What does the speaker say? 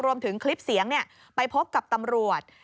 รวมถึงคลิปเสียงไปพบกับตำรวจ